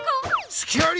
すきあり！